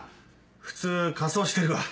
普通火葬してるわ。